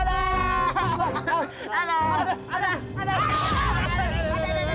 aduflah pol ak parlep no rupees lah